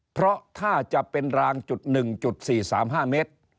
เพราะถ้าจะเป็นรางจุด๑๔๓๕เมตร